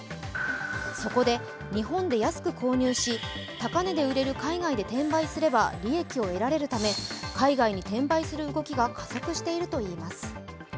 そこで日本で安く購入し、高値で売れる海外で転売すれば利益を得られるため海外に転売する動きが加速しているといいます。